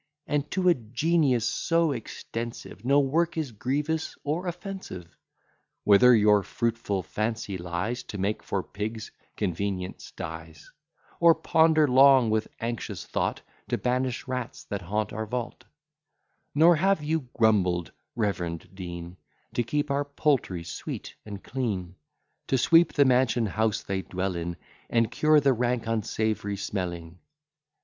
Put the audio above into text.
And to a genius so extensive No work is grievous or offensive: Whether your fruitful fancy lies To make for pigs convenient styes; Or ponder long with anxious thought To banish rats that haunt our vault: Nor have you grumbled, reverend Dean, To keep our poultry sweet and clean; To sweep the mansion house they dwell in, And cure the rank unsavoury smelling.